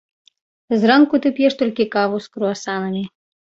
Зранку ты п'еш толькі каву з круасанам.